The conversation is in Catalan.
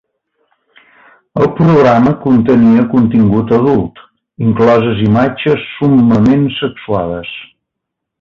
El programa contenia contingut adult, incloses imatges summament sexuades.